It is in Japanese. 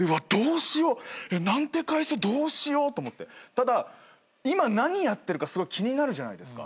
ただ今何やってるかすごい気になるじゃないですか。